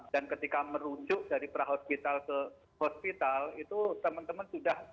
dan ketika merujuk dari prahospital ke hospital itu teman teman sudah